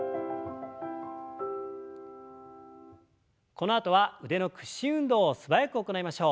このあとは腕の屈伸運動を素早く行いましょう。